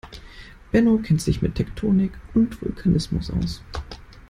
Benno kennt sich mit Tektonik und Vulkanismus aus.